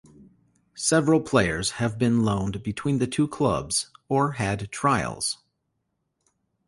Several players have been loaned between the two clubs or had trials.